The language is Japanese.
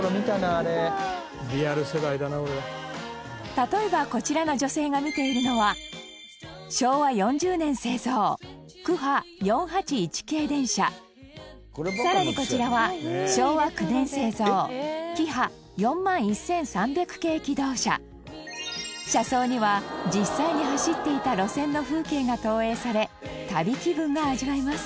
例えばこちらの女性が見ているのは昭和４０年製造クハ４８１形電車更に、こちらは昭和９年製造キハ４１３００形気動車車窓には、実際に走っていた路線の風景が投影され旅気分が味わえます